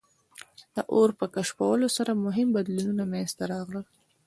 د اور په کشفولو سره مهم بدلونونه منځ ته راغلل.